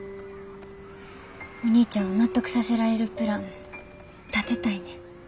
お兄ちゃんを納得させられるプラン立てたいねん。